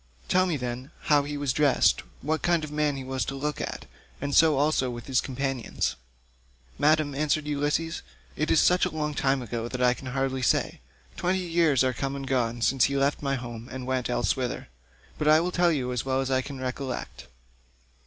Tell me, then, how he was dressed, what kind of a man he was to look at, and so also with his companions." "Madam," answered Ulysses, "it is such a long time ago that I can hardly say. Twenty years are come and gone since he left my home, and went elsewhither; but I will tell you as well as I can recollect.